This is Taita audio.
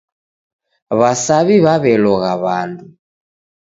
W'asaw'i w'aw'elogha w'andu.